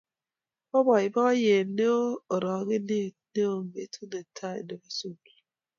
bo boiboiet ak orokinet neoo betut ne tai nebo sukul